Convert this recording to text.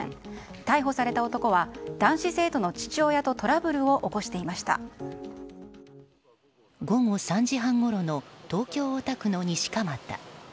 逮捕された男は男子生徒の父親と午後３時半ごろの東京・大田区の西蒲田。